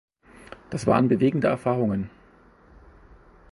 Das waren bewegende Erfahrungen.